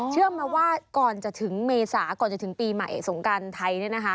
เชื่อมาว่าก่อนจะถึงเมษาก่อนจะถึงปีใหม่สงการไทย